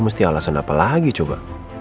bentang lehak tiba tiba